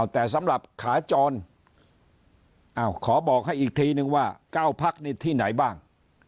แต่สำหรับขาจรขอบอกให้อีกทีนึงว่า๙พักนี่ที่ไหนบ้าง